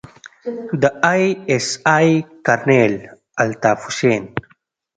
د آى اس آى کرنيل الطاف حسين.